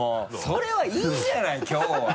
それはいいじゃないきょうは。